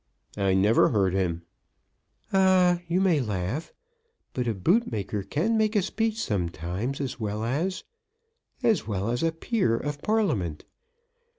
"I never heard him." "Ah, you may laugh. But a bootmaker can make a speech sometimes as well as, as well as a peer of Parliament.